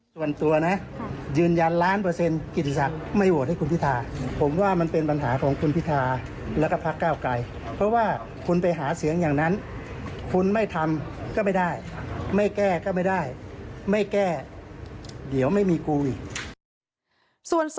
ส่วนสวกิติศักดิ์รัฐนวราฮะค่ะเดี๋ยวไม่มีกูอีก